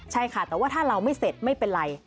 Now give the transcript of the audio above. ใช่ค่ะแต่ว่าถ้าเราไม่เสร็จไม่เป็นไร